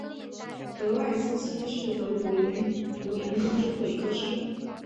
德赖茨希是德国图林根州的一个市镇。